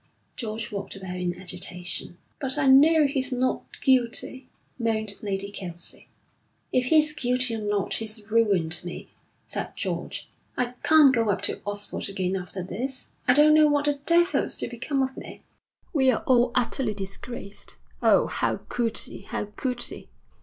George walked about in agitation. 'But I know he's not guilty,' moaned Lady Kelsey. 'If he's guilty or not he's ruined me,' said George. 'I can't go up to Oxford again after this. I don't know what the devil's to become of me. We're all utterly disgraced. Oh, how could he! How could he!'